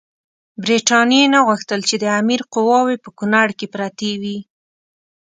برټانیې نه غوښتل چې د امیر قواوې په کونړ کې پرتې وي.